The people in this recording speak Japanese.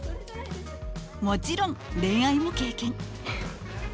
もちろん恋愛も経験。